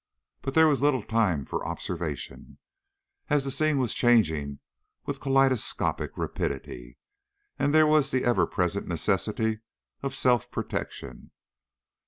But there was little time for observation, as the scene was changing with kaleidoscopic rapidity and there was the ever present necessity of self protection.